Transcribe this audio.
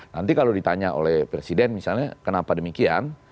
nanti kalau ditanya oleh presiden misalnya kenapa demikian